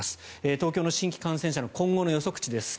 東京の新規感染者の今後の予測値です。